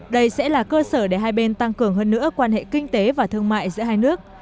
đây sẽ là cơ sở để hai bên tăng cường hơn nữa quan hệ kinh tế và thương mại giữa hai nước